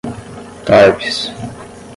torpes